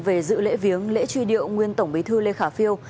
về dự lễ viếng lễ truy điệu nguyên tổng bí thư lê khả phiêu